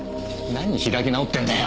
何開き直ってんだよ。